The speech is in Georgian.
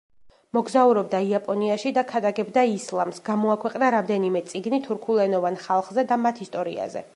მოგზაურობდა იაპონიაში და ქადაგებდა ისლამს, გამოაქვეყნა რამდენიმე წიგნი თურქულენოვან ხალხზე და მათ ისტორიაზე.